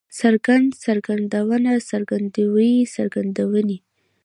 څرګند، څرګندونه، څرګندوی، څرګندونې